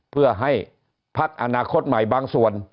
เพื่อให้พักอนาคตใหม่บางส่วน